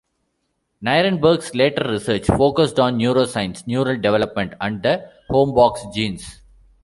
Nirenberg's later research focused on neuroscience, neural development, and the homeobox genes.